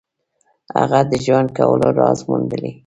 هغه د ژوند کولو راز موندلی.